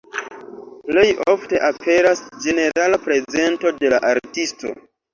Plej ofte aperas ĝenerala prezento de la artisto.